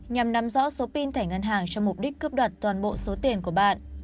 nhằm nắm rõ số pin thẻ ngân hàng cho mục đích cướp đoạt toàn bộ số tiền của bạn